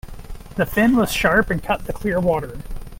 The fin was sharp and cut the clear water.